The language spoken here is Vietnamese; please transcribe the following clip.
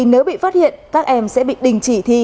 nếu bị phát hiện các em sẽ bị đình chỉ thi